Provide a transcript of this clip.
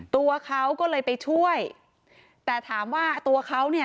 ตัวเขาก็เลยไปช่วยแต่ถามว่าตัวเขาเนี่ย